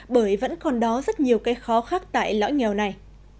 bởi vẫn còn đó rất nhiều cái khó khăn tại lõi nghèo này